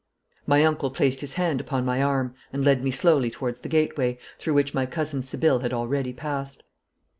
My uncle placed his hand upon my arm and led me slowly towards the gateway, through which my cousin Sibylle had already passed.